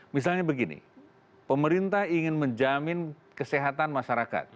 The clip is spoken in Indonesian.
misalnya begini pemerintah ingin menjamin kesehatan masyarakat